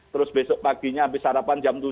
terus besok paginya habis sarapan jam tujuh